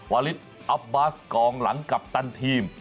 วาลิสอับบัสกองหลังกัปตันทีม